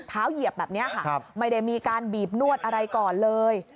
เหยียบแบบนี้ค่ะไม่ได้มีการบีบนวดอะไรก่อนเลย